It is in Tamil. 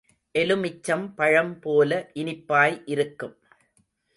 எலுமிச்சம் பழம் போல இனிப்பாய் இருக்கும்.